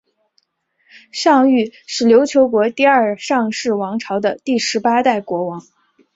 尚育是琉球国第二尚氏王朝的第十八代国王。